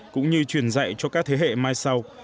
cũng như truyền dạy cho các thế hệ mai sau